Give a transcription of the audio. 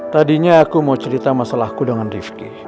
tadinya aku mau cerita masalahku dengan rifki